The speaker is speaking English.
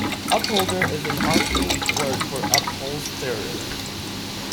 "Upholder" is an archaic word for "upholsterer".